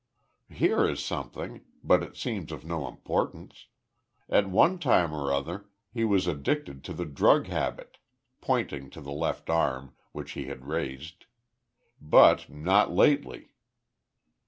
Here is something, but it seems of no importance. At one time or other, he was addicted to the drug habit," pointing to the left arm, which he had raised. "But not lately."